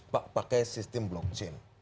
pak pakai sistem blockchain